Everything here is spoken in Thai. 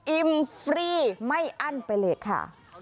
อิ่มฟรีไม่อั้นไปเลยค่ะ